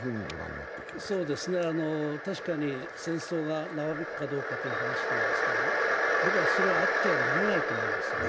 確かに戦争が長引くかどうかという話なんですけどね、僕は、それはあってはならないと思うんですね。